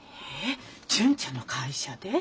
純ちゃんの会社で？